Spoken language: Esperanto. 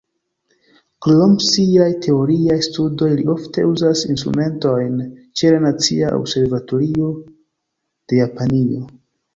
Krom siaj teoriaj studoj, li ofte uzas instrumentojn ĉe la Nacia Observatorio de Japanio.